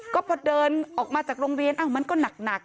ก็พอเดินออกมาจากโรงเรียนมันก็หนัก